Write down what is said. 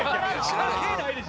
関係ないでしょ。